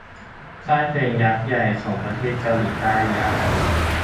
ค่ายเพลงยักษ์ใหญ่ของประเทศเกาหลีใต้อย่าง